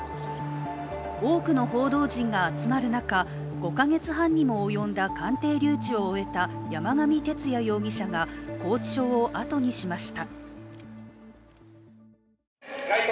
多くの報道陣が集まる中、５か月半にもおよんだ鑑定留置を終えた山上徹也容疑者が拘置所を後にしました。